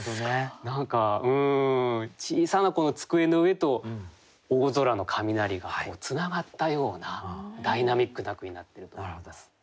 何か小さな机の上と大空の雷がつながったようなダイナミックな句になってると思います。